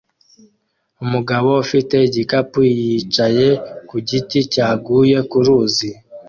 Umugabo ufite igikapu yicaye ku giti cyaguye kuruzi